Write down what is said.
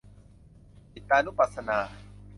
จิตตานุปัสสนา